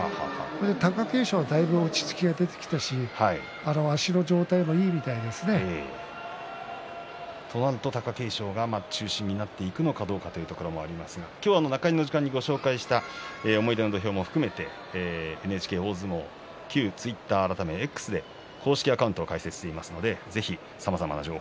貴景勝はだいぶ落ち着きが出てきたしとなると貴景勝が中心になっていくのかどうかというところもありますが今日は中入りの時間にご紹介した「思い出の土俵」も含めてＮＨＫ旧ツイッター改めＸ公式アカウントを開設しています。